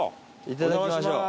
いただきましょう。